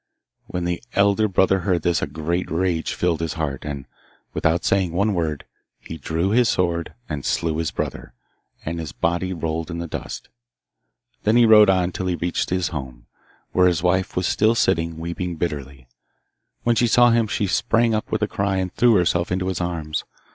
When the elder brother heard this a great rage filled his heart, and, without saying one word, he drew his sword and slew his brother, and his body rolled in the dust. Then he rode on till he reached his home, where his wife was still sitting, weeping bitterly. When she saw him she sprang up with a cry, and threw herself into his arms.